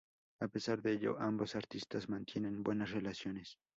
A pesar de ello, ambos artistas mantienen buenas relaciones.